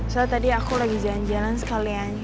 soal tadi aku lagi jalan jalan sekalian